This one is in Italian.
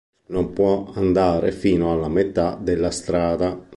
Non può andare fino alla metà della strada.